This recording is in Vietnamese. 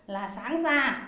là sáng ra